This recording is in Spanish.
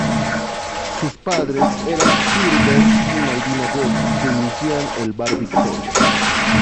Sus padres eran Cyril Betts y Malvina Goss que dirigían el "Bar Victoria".